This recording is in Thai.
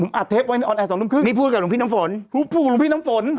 อัดเทปไว้ในออนแอร์สองทุ่มครึ่งนี่พูดกับหลวงพี่น้ำฝนพูดกับหลวงพี่น้ำฝน